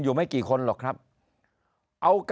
นายกรัฐมนตรีพูดเรื่องการปราบเด็กแว่น